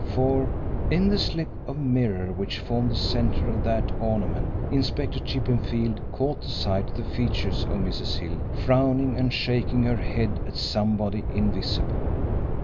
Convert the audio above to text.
For, in the slip of mirror which formed the centre of that ornament, Inspector Chippenfield caught sight of the features of Mrs. Hill frowning and shaking her head at somebody invisible.